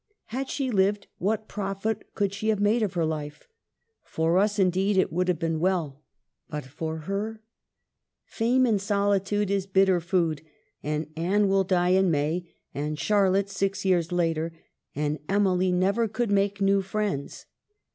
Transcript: Had she lived, what profit could she have made of her life ? For us, indeed, it would have been well ; but for her ? Fame in solitude is bitter food ; and Anne will (die in May ; and Charlotte six years after ; and Emily never could make new friends.